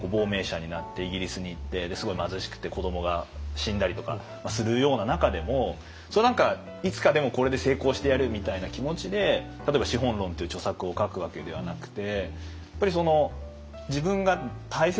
すごい貧しくて子どもが死んだりとかするような中でも何かいつかでもこれで成功してやるみたいな気持ちで例えば「資本論」という著作を書くわけではなくて。